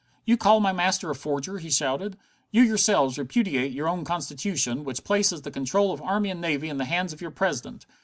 "You call my master a forger?" he shouted. "You yourselves repudiate your own Constitution, which places the control of army and navy in the hands of your President?